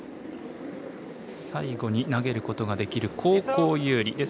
最後に投げることができる後攻有利。